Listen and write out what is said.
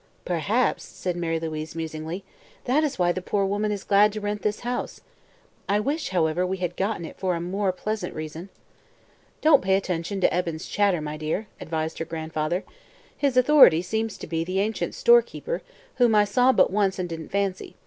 "Perhaps," said Mary Louise musingly, "that is why the poor woman is glad to rent this house. I wish, however, we had gotten it for a more pleasant reason." "Don't pay attention to Eben's chatter, my dear," advised her grandfather. "His authority seems to be the ancient storekeeper, whom I saw but once and didn't fancy.